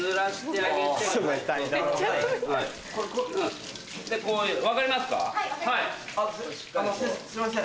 あのすいません。